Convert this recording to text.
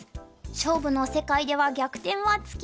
勝負の世界では逆転はつきもの。